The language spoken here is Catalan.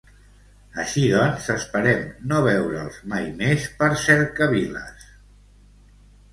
Així doncs, esperem no veure'ls mai més per cercaviles!